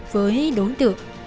với đối tượng